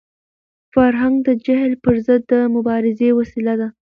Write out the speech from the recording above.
فرهنګ د جهل پر ضد د مبارزې وسیله ده.